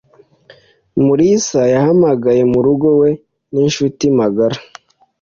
Mulisa yahamagaye murugo we ninshuti magara.